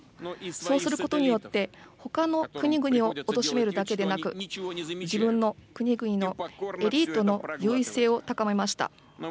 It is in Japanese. そうすることによってほかの国々をおとしめるだけでなく自分の国々のエリートの優位性を高めました。